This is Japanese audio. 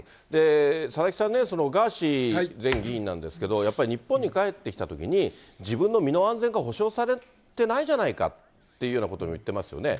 佐々木さんね、ガーシー前議員なんですけど、やっぱり日本に帰ってきたときに、自分の身の安全が保障されてないじゃないかっていうようなことも言ってますよね。